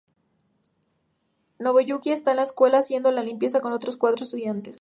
Nobuyuki está en la escuela, haciendo la limpieza con otros cuatro estudiantes.